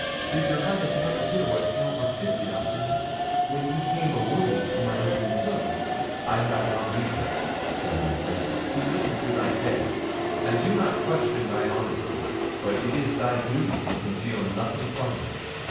Did your Highness never hear what Count Marsigli offered me, when he came a wooing to my Lady Matilda?" "I have not leisure," said Manfred, "to listen to thy tale. I do not question thy honesty. But it is thy duty to conceal nothing from me.